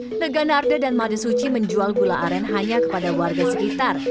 tenaga narda dan mari suci menjual gula aren hanya kepada warga sekitar